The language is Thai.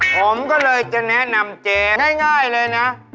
ผมก็เลยจะแนะนำเจ๊ง่ายเลยนะ